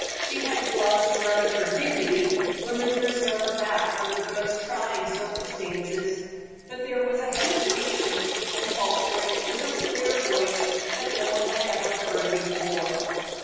She had lost none of her dignity women reserve that under the most trying circumstances but there was a hesitation and faltering in her clear voice no one had ever heard before.